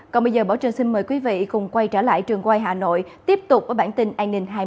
còn bây giờ bảo trân xin mời quý vị cùng quay trở lại trường quay hà nội tiếp tục với bản tin an ninh hai mươi bốn h